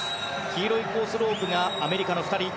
黄色いコースロープがアメリカの２人。